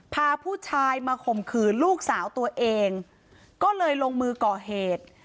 พาผู้ชายมาข่มขืนลูกสาวตัวเองก็เลยลงมือก่อเหตุ